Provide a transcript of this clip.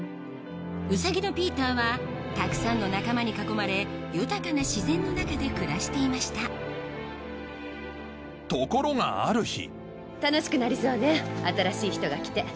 ウサギのピーターはたくさんの仲間に囲まれ豊かな自然の中で暮らしていましたところがある日楽しくなりそうね新しい人が来て。